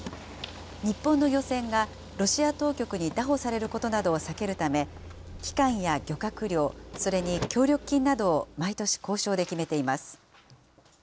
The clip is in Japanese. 日本の漁船がロシア当局に拿捕されることなどを避けるため、期間や漁獲量、それに協力金などを毎年交渉で決めています。